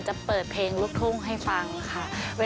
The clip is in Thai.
จะเปิดเพลงลูกทุ่งให้ฟังค่ะ